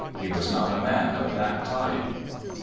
He was not a man of that type.